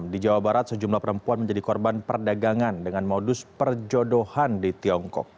di jawa barat sejumlah perempuan menjadi korban perdagangan dengan modus perjodohan di tiongkok